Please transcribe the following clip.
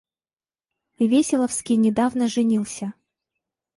Веселовский недавно женился.